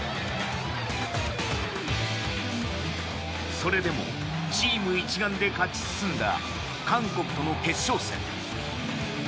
それでも、チーム一丸で勝ち進んだ韓国との決勝戦。